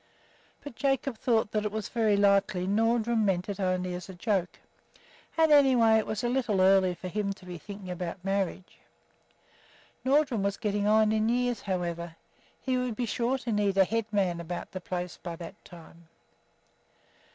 But Jacob thought that very likely Nordrum meant it only as a joke; and anyway it was a little early for him to be thinking about marriage. Nordrum was getting on in years, however; he would be sure to need a head man about the place by that time.